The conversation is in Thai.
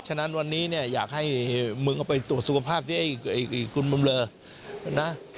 ฉะนั้นวันนี้เนี่ยอยากให้มึงเอาไปตรวจสุขภาพที่คุณบำเลอนะ